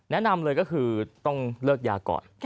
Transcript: แนะนำเลยก็คือต้องเลิกยาก่อน